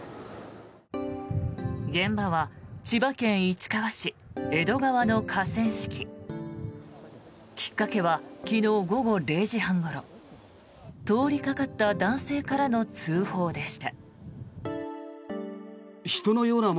現場は千葉県市川市江戸川の河川敷。きっかけは昨日午後０時半ごろ通りかかった男性からの通報でした。